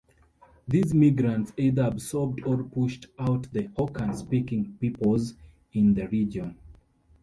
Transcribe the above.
These migrants either absorbed or pushed out the Hokan-speaking peoples in the region.